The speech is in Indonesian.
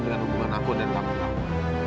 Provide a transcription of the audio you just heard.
dengan hubungan aku dan kata kamu